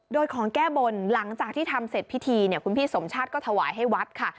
โดยของแก้บนหลังจากที่ทำเสร็จพิธีเนี่ยคุณพี่สมชาติก็ถวายให้วัดค่ะ